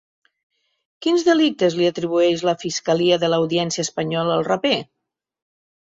Quins delictes li atribueix la fiscalia de l'Audiència espanyola al raper?